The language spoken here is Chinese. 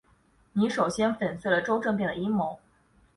你首先成功粉碎了周政变的阴谋。